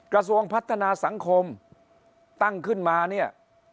กระทรวงพัฒนาสังคมตั้งขึ้นมาเนี่ย